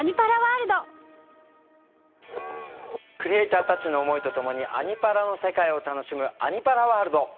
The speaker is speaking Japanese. クリエーターたちの思いとともに「アニ×パラ」の世界を楽しむ「アニ×パラワールド」。